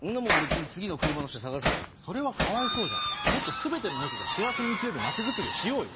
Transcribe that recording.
次の車の下探すだろそれはかわいそうじゃんもっと全ての猫が幸せに生きれる町づくりをしようよ